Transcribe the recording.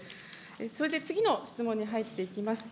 それで次の質問に入っていきます。